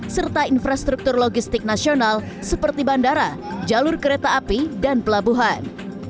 serta infrastruktur logistik nasional seperti bandara jalur kereta api dan pelabuhan